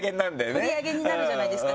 売り上げになるじゃないですか